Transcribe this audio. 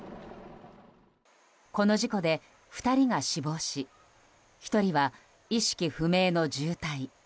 この事故で２人が死亡し１人は意識不明の重体。